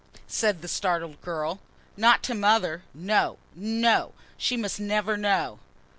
said the startled girl. "Not to mother, no, no. She mustn't ever know."